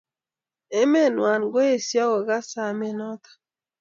Emet newon koesho kokas samet noton.